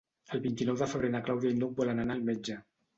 El vint-i-nou de febrer na Clàudia i n'Hug volen anar al metge.